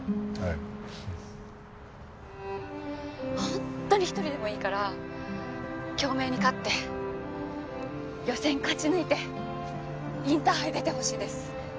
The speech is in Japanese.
本当に１人でもいいから京明に勝って予選勝ち抜いてインターハイ出てほしいです。